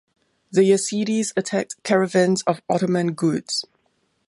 The Yezidis attacked caravans of Ottoman goods.